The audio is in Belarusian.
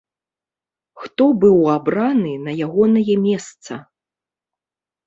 Хто быў абраны на ягонае месца?